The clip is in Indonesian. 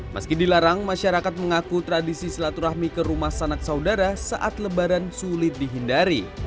meski dilarang masyarakat mengaku tradisi silaturahmi ke rumah sanak saudara saat lebaran sulit dihindari